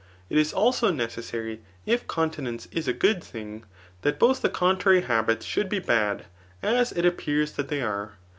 It is also necessary, if continence is a good thing, that both the contrary habits should be bad, as it appears that they are.